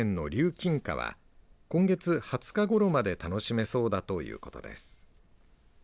キンカは今月２０日ごろまで楽しめそうだということです。